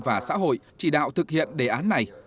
và xã hội chỉ đạo thực hiện đề án này